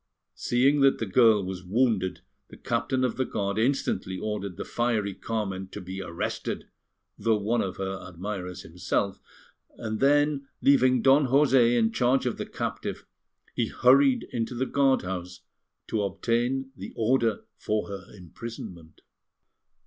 Seeing that the girl was wounded, the Captain of the Guard instantly ordered the fiery Carmen to be arrested, though one of her admirers himself; and then, leaving Don José in charge of the captive, he hurried into the guard house to obtain the order for her imprisonment.